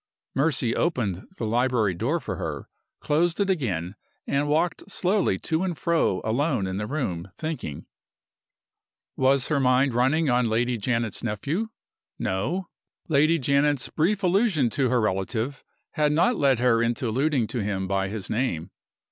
Mercy opened the library door for her, closed it again, and walked slowly to and fro alone in the room, thinking. Was her mind running on Lady Janet's nephew? No. Lady Janet's brief allusion to her relative had not led her into alluding to him by his name.